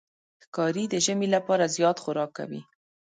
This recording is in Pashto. ښکاري د ژمي لپاره زیات خوراک کوي.